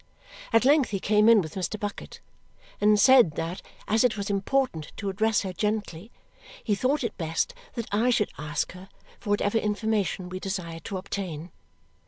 At length he came in with Mr. Bucket and said that as it was important to address her gently, he thought it best that I should ask her for whatever information we desired to obtain.